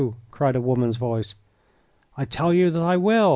cried a woman's voice. "I tell you that I will!"